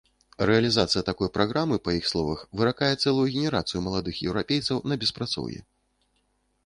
Рэалізацыя такой праграмы, па іх словах, выракае цэлую генерацыю маладых еўрапейцаў на беспрацоўе.